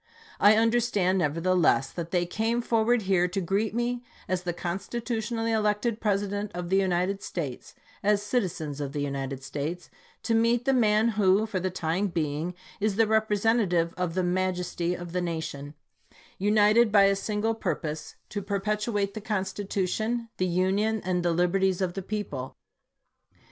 I understand, nevertheless, that they came forward here to greet me as the constitutionally elected President of the United States — as citizens of the United States — to meet the man who, for the time being, is the representative of the majesty of the nation — united by the single purpose to 298 ABKAHAM LINCOLN chap. xix. perpetuate the Constitution, the Union, and the liberties of the people.